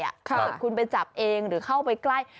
ถ้าเกิดคุณไปจับเองหรือเข้าไปใกล้